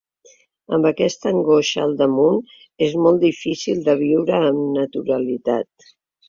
I amb aquesta angoixa al damunt és molt difícil de viure amb naturalitat.